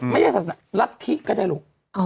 ไม่ใช่ศาสนามันรัฐธิก็ได้ลูก